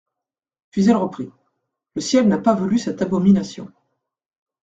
Puis elle reprit : —«Le Ciel n’a pas voulu cette abomination.